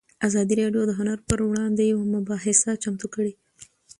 ازادي راډیو د هنر پر وړاندې یوه مباحثه چمتو کړې.